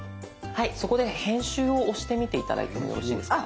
はいそこで編集を押してみて頂いてもよろしいですか？